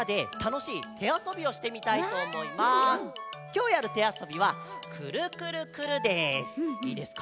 きょうやる手あそびは「くるくるくるっ」です。